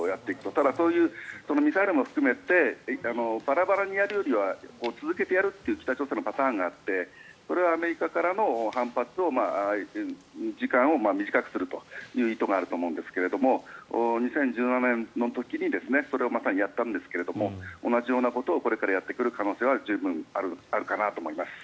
ただ、ミサイルも含めてバラバラにやるよりは続けてやるという北朝鮮のパターンがあってそれはアメリカからの反発時間を短くするという意図があると思うんですが２０１７年の時にそれをまさにやったんですが同じようなことをこれからやってくる可能性は十分にあるかなと思います。